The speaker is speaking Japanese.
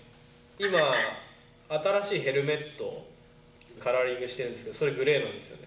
今、新しいヘルメットをカラーリングしているんですけどそれ、グレーなんですよね。